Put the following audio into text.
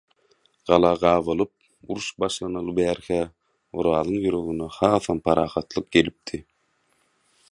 Gala gabalyp, uruş başlanaly bäri-hä Orazyň ýüregine hasam parahatlyk gelipdi.